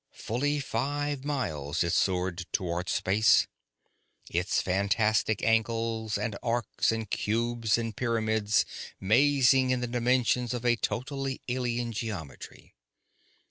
Fully five miles it soared toward space, its fantastic angles and arcs and cubes and pyramids mazing in the dimensions of a totally alien geometry.